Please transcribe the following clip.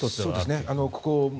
そうですね。